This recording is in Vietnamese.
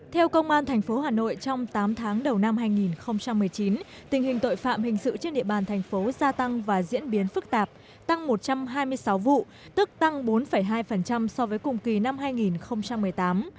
theo công an tp hà nội trong tám tháng đầu năm hai nghìn một mươi chín tình hình tội phạm hình sự trên địa bàn thành phố gia tăng và diễn biến phức tạp tăng một trăm hai mươi sáu vụ tức tăng bốn hai so với cùng kỳ năm hai nghìn một mươi tám